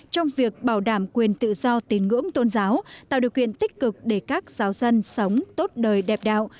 trong việc bảo đảm quyền tự do tín ngưỡng tôn giáo tạo điều kiện tích cực để các giáo dân sống tốt đời đẹp đạo